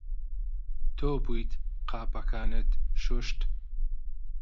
تۆ بوویت قاپەکانت شوشت؟